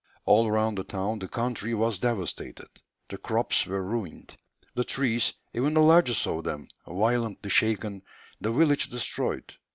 All around the town the country was devastated, the crops were ruined, the trees even the largest of them violently shaken, the village destroyed.